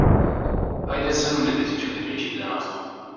Haideți să nu ne dezicem de principiile noastre.